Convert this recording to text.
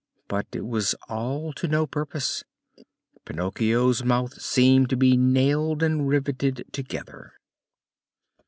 But it was all to no purpose. Pinocchio's mouth seemed to be nailed and riveted together.